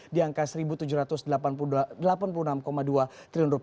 di angka rp satu tujuh ratus delapan puluh enam dua triliun